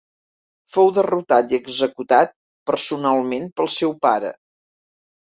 Fou derrotat i executat personalment pel seu pare.